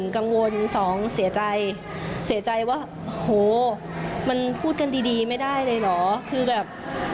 กังวลสองเสียใจเสียใจว่าโหมันพูดกันดีไม่ได้เลยเหรอคือแบบ